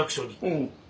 うん。